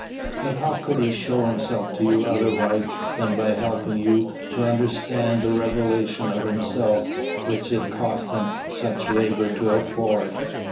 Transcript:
But how could he show himself to you otherwise than by helping you to understand the revelation of himself which it cost him such labor to afford?